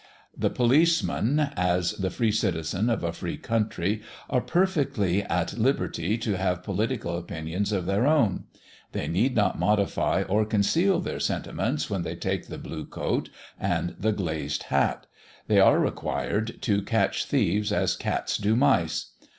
The policemen, as the free citizens of a free country, are perfectly at liberty to have political opinions of their own; they need not modify or conceal their sentiments when they take the blue coat and the glazed hat. They are required to catch thieves as cats do mice.